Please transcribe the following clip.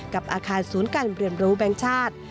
กับอาคารศูนย์การเรียนรู้แบงค์ชาติ